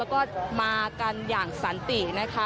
แล้วก็มากันอย่างสันตินะคะ